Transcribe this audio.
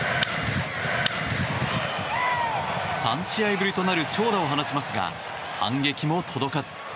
３試合ぶりとなる長打を放ちますが反撃も届かず。